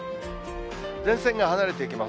前線が離れていきます。